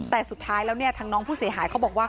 แต่สุดท้ายแล้วเนี่ยทางน้องผู้เสียหายเขาบอกว่า